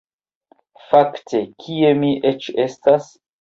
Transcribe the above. Fakte, kie mi eĉ estas?